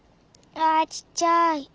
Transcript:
あちっちゃい。